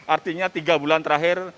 artinya tiga bulan terakhir